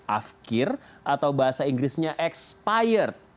afkir atau bahasa inggrisnya expired